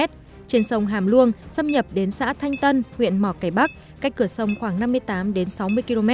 trên sông hàm luông xâm nhập đến xã thanh tân huyện mỏ cải bắc cách cửa sông khoảng năm mươi tám đến sáu mươi km